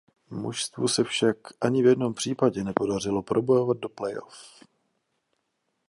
Mužstvu se však ani v jenom případě nepodařilo probojovat do playoff.